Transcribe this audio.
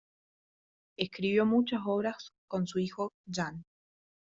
Escribió muchas obras con su hijo Jan.